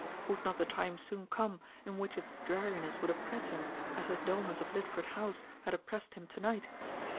Would not the time soon come in which its dreariness would oppress him as the dulness of Lidford House had oppressed him to night?